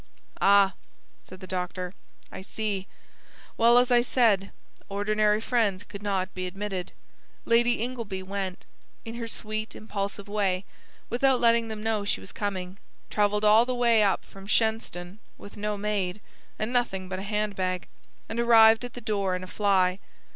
"Ah," said the doctor, "I see. Well, as I said, ordinary friends could not be admitted. Lady Ingleby went, in her sweet impulsive way, without letting them know she was coming; travelled all the way up from Shenstone with no maid, and nothing but a handbag, and arrived at the door in a fly.